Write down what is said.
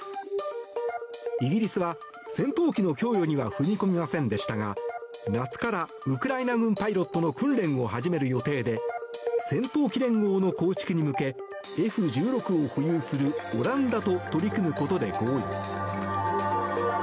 イギリスは戦闘機の供与には踏み込みませんでしたが夏からウクライナ軍パイロットの訓練を始める予定で戦闘機連合の構築に向けＦ１６を保有するオランダと取り組むことで合意。